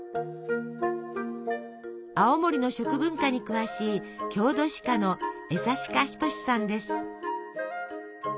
青森の食文化に詳しい郷土史家の江刺家均さんです。